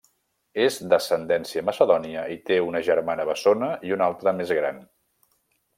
És d'ascendència macedònia i té una germana bessona i una altra més gran.